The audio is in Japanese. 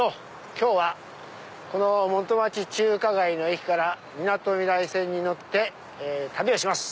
今日はこの元町・中華街駅からみなとみらい線に乗って旅します。